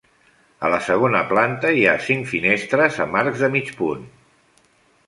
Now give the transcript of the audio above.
A la segona planta hi ha cinc finestres amb arcs de mig punt.